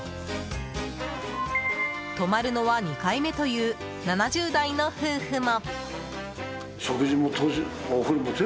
泊まるのは２回目という７０代の夫婦も。